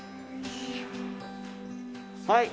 はい！